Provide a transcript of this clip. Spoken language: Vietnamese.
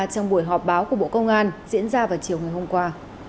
trong buổi họp báo của bộ công an diễn ra vào chiều ngày hôm qua